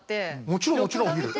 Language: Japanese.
もちろんもちろん見る。